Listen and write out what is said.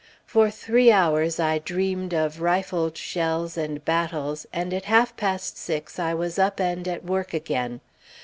For three hours I dreamed of rifled shells and battles, and at half past six I was up and at work again.